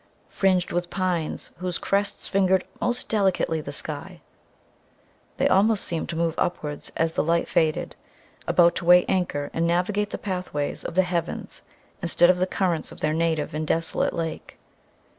Fringed with pines, whose crests fingered most delicately the sky, they almost seemed to move upwards as the light faded about to weigh anchor and navigate the pathways of the heavens instead of the currents of their native and desolate lake.